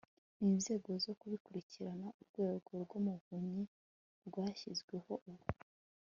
n inzego zo kubikurikirana Urwego rw Umuvunyi rwashyizweho ubu